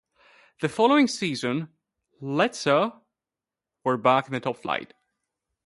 The following season Lechia were back in the top flight.